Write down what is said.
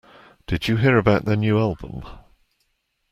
Did you hear about their new album?